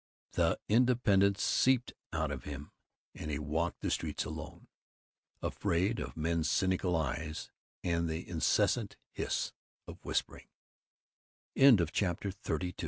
The independence seeped out of him and he walked the streets alone, afraid of men's cynical eyes and the incessant hiss of whisperi